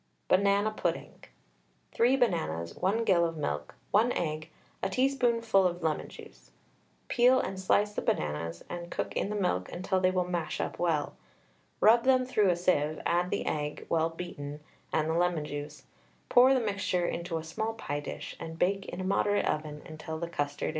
BANANA PUDDING. 3 bananas, 1 gill of milk, 1 egg, a teaspoonful of lemon juice. Peel and slice the bananas, and cook in the milk until they will mash up well. Rub them through a sieve, add the egg, well beaten, and the lemon juice; pour the mixture into a small pie dish, and bake in a moderate oven until the custard is set.